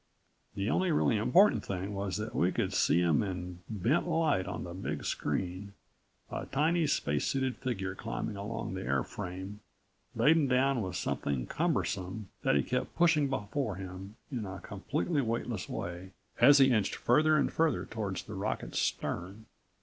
The only really important thing was that we could see him in bent light on the big screen a tiny, spacesuited figure climbing along the airframe, laden down with something cumbersome that he kept pushing before him in a completely weightless way as he inched further and further toward the rocket's stern.